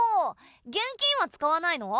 現金は使わないの？